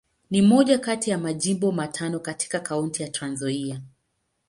Ni moja kati ya Majimbo matano katika Kaunti ya Trans-Nzoia.